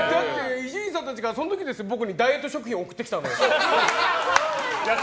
伊集院さんたちが僕にダイエット食品を送ってきたの。